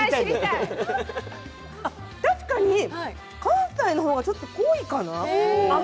確かに、関西の方がちょっと濃いかな。